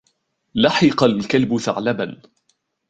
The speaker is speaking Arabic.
لحِق الكلب ثعلبًا.